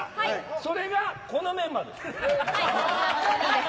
それが、このメンバーです。